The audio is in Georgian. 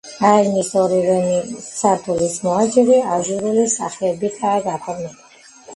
აივნის ორივე სართულის მოაჯირი აჟურული სახეებითაა გაფორმებული.